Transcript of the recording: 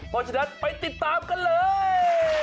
เพราะฉะนั้นไปติดตามกันเลย